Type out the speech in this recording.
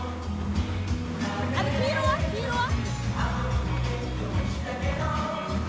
あの黄色は黄色は？